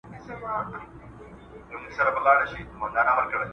اور چي مي پر سیوري بلوي رقیب ,